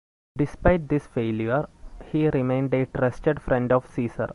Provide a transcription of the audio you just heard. Despite this failure, he remained a trusted friend of Caesar.